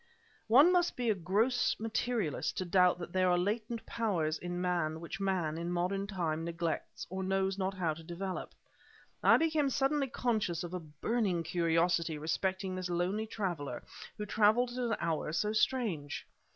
One must be a gross materialist to doubt that there are latent powers in man which man, in modern times, neglects, or knows not how to develop. I became suddenly conscious of a burning curiosity respecting this lonely traveler who traveled at an hour so strange.